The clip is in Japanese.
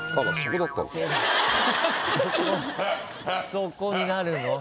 そこになるの？